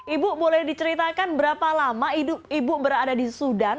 ibu boleh diceritakan berapa lama ibu berada di sudan